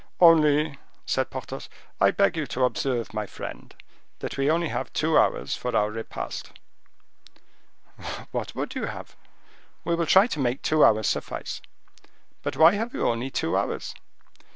"Only," said Porthos, "I beg you to observe, my friend, that we only have two hours for our repast." "What would you have? We will try to make two hours suffice. But why have you only two hours?"